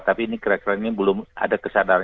tapi ini keren kerennya belum ada kesadaran